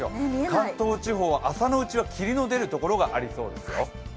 関東地方は朝のうちは霧の出るところがありそうですよね。